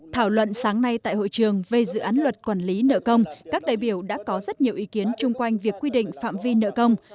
thảo luận sáng nay tại hội trường về dự án luật quản lý nợ công các đại biểu đã có rất nhiều ý kiến chung quanh việc quy định phạm vi nợ công